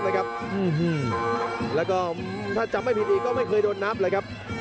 แล้วก็ถ้าจำไม่ผิดดีก็ไม่เคยโดนนับเลยครับ